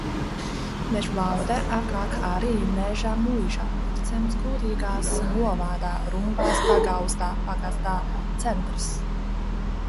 Mežvalde, agrāk arī Mežamuiža, ir ciems Kuldīgas novada Rumbas pagastā, pagasta centrs.